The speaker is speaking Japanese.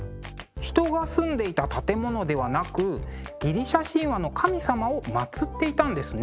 人が住んでいた建物ではなくギリシャ神話の神様を祭っていたんですね。